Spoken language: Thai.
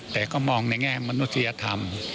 แต่ก็มองในแง้มนุษยธรรม